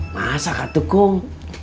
masak katuk kum